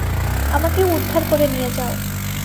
আমাকেও উদ্ধার করে নিয়ে যাও।